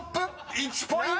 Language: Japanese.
［１ポイント！］